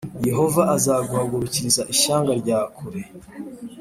“yehova azaguhagurukiriza ishyanga rya kure,